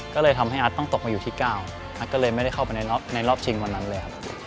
ก็เลยทำให้อาร์ตต้องตกมาอยู่ที่๙อัดก็เลยไม่ได้เข้าไปในรอบชิงวันนั้นเลยครับ